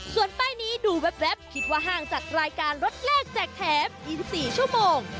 ส่วนป้ายนี้ดูแว๊บคิดว่าห้างจัดรายการรถแรกแจกแถม๒๔ชั่วโมง